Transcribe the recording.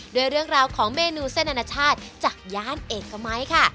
ด้วยเรื่องราวของเมนูเส้นอนาชาติจากย่านเอกมัยค่ะ